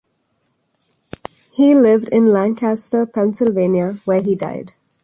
He lived in Lancaster, Pennsylvania, where he died.